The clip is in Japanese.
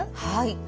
はい。